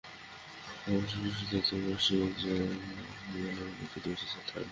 খবর শুনে সিদ্ধেশ্বরীর বাসায় দেখা করতে গেলাম এবং ফিরে আসার কারণ শুনলাম।